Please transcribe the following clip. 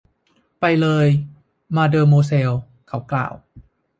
“ไปเลยมาเดอโมแซล” เขากล่าว